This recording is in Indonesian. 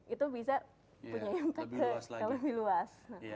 itu bisa punya impact yang lebih luas